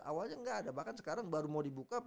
awalnya gak ada bahkan sekarang baru mau dibuka